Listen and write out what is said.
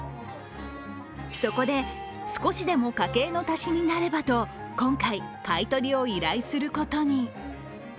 そこで少しでも家計の足しになればと今回、買い取りを依頼することに。